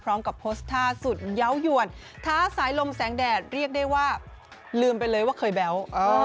พร้อมกับโพสต์ท่าสุดเยาว์หยวนท้าสายลมแสงแดดเรียกได้ว่าลืมไปเลยว่าเคยแบ๊ว